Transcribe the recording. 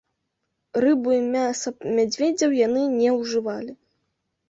Рыбу і мяса мядзведзяў яны не ўжывалі.